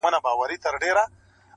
د پېغلوټو تر پاپیو به شم لاندي٫